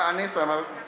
guenew psd sama buntutku